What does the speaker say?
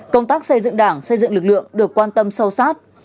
công tác xây dựng đảng xây dựng lực lượng được quan tâm sâu sát